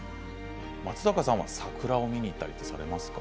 松坂さんは桜を見に行ったりされますか？